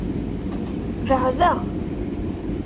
Beɛdeɣ.